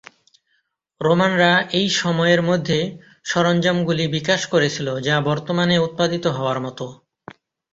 রোমানরা এই সময়ের মধ্যে সরঞ্জামগুলি বিকাশ করেছিল যা বর্তমানে উৎপাদিত হওয়ার মতো।